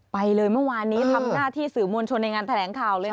ไปเลยเมื่อวานนี้ทำหน้าที่สื่อมวลชนในงานแถลงข่าวเลยค่ะ